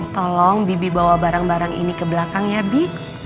tolong bibi bawa barang barang ini ke belakang ya bi